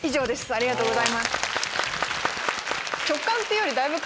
ありがとうございます。